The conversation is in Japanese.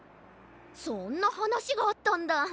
そんなはなしがあったんだ。